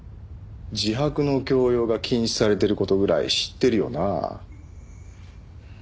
自白の強要が禁止されてる事ぐらい知ってるよな？